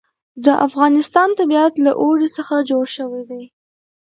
د افغانستان طبیعت له اوړي څخه جوړ شوی دی.